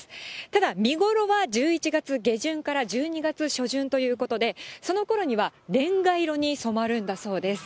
ただ見頃は１１月下旬から１２月初旬ということで、そのころにはレンガ色に染まるんだそうです。